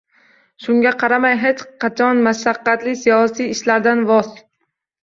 Shunga qaramay, hech qachon mashaqqatli siyosiy ishlardan voz